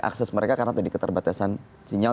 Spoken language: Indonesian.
akses mereka karena tadi keterbatasan sinyal